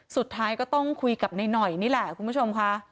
สุดท้ายก็ต้องคุยกับนายหน่อยนี่แหละคุณผู้ชมค่ะ